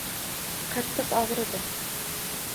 Qattiq og‘ridi.